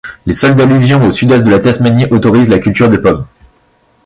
Les sols d'alluvions au sud-est de la Tasmanie autorisent la culture de pommes.